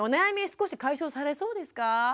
少し解消されそうですか？